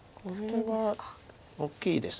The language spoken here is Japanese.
これは大きいです。